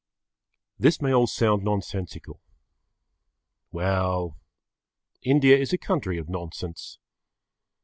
This may all sound nonsensical. Well, India is a country of nonsense.